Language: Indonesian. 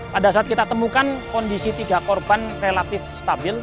pada saat kita temukan kondisi tiga korban relatif stabil